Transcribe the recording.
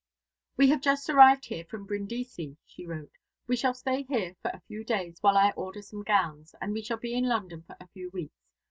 "We have just arrived here from Brindisi," she wrote. "We shall stay here for a few days while I order some gowns, and we shall be in London for a few weeks.